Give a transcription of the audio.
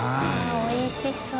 おいしそう。